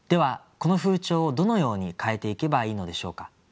この風潮をどのように変えていけばいいのでしょうか。